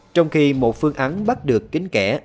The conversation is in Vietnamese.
trong khi một phương án bắt được kín kẻ